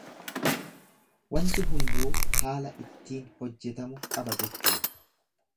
Wanti hunduu haala ittiin hojjetamu qaba jechuudha.